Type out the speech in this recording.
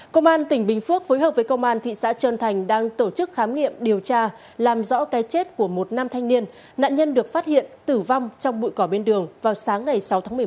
công an tỉnh bình phước phối hợp với công an thị xã trơn thành đang tổ chức khám nghiệm điều tra làm rõ cái chết của một nam thanh niên nạn nhân được phát hiện tử vong trong bụi cỏ bên đường vào sáng ngày sáu tháng một mươi một